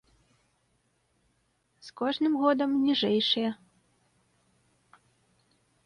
З кожным годам ніжэйшыя.